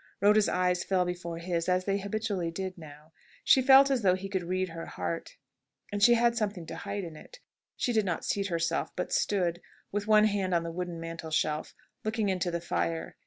Rhoda's eyes fell before his, as they habitually did now. She felt as though he could read her heart; and she had something to hide in it. She did not seat herself, but stood, with one hand on the wooden mantelshelf, looking into the fire.